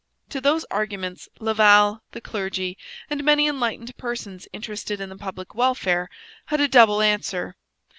To those arguments Laval, the clergy, and many enlightened persons interested in the public welfare had a double answer.